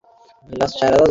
আমি চাই তুমি সংহত হও, লিস।